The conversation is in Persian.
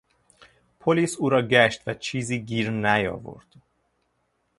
پلیس او را گشت و چیزی گیر نیاورد.